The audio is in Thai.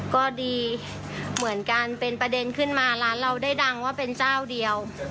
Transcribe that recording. ก็ดีเหมือนกันเป็นประเด็นขึ้นมาร้านเราได้ดังว่าเป็นเจ้าเดียว